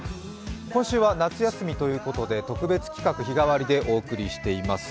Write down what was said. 今週は夏休みということで特別企画を日替わりでお送りしています。